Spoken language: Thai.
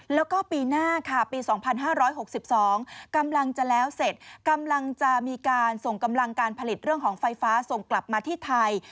แล้วก็ปีหน้าค่ะปี๒๕๖๒กำลังจะแล้วเสร็จกำลังจะมีการส่งกำลังการผลิตเรื่องของไฟฟ้าส่งกลับมาที่ไทย